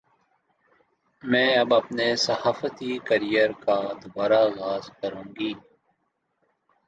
میں اب اپنے صحافتی کیریئر کا دوبارہ آغاز کرونگی